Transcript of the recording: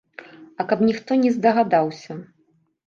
А каб ніхто не здагадаўся.